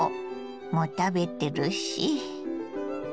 もう食べてるし。